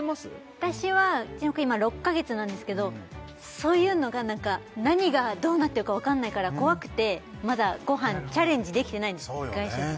私はうちの子今６カ月なんですけどそういうのが何か何がどうなってるかわかんないから怖くてまだご飯チャレンジできてないんです外食